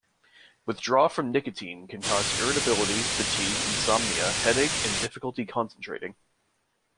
Withdrawal from nicotine can cause irritability, fatigue, insomnia, headache, and difficulty concentrating.